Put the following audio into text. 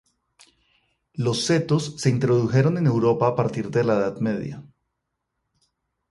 Los setos se introdujeron en Europa a partir de la Edad media.